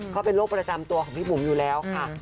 เขาเป็นโรคประจำตัวของพี่บุ๋มอยู่แล้วค่ะ